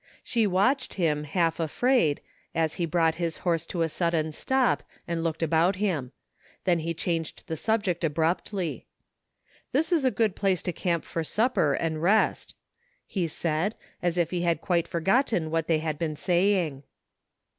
She watched him, half afraid as he brought his horse to a sudden stop and looked about him. Then he changed the subject abruptly :" This is a good place to camp for supper and rest," he said, as if he had quite forgotten what they had been saying.